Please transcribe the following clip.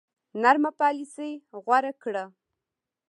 نرمه پالیسي غوره کړه.